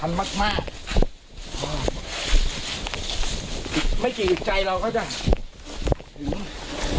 หินทันมากมากไม่กี่ใจเราก็ได้รอดแล้ว